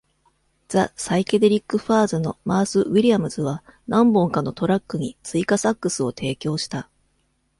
ザ・サイケデリック・ファーズのマース・ウィリアムズは、何本かのトラックに追加サックスを提供した。